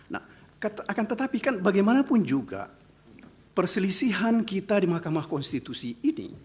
nah akan tetapi kan bagaimanapun juga perselisihan kita di mahkamah konstitusi ini